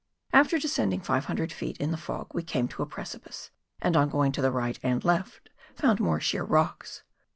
After descending 500 ft. in the fog we came to a precipice, and on going to the right and left, found more sheer rocks.